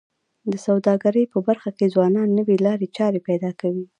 د سوداګرۍ په برخه کي ځوانان نوې لارې چارې پیدا کوي.